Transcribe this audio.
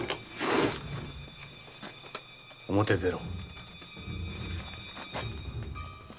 表へ出ろ。